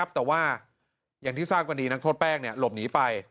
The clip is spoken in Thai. แต่ว่าอย่างที่ทราบวันนี้นักโทษแป้งหลบหนีไป